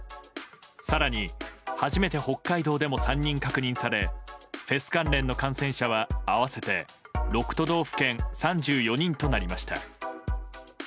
更に、初めて北海道でも３人確認されフェス関連の感染者は合わせて６都道府県３４人となりました。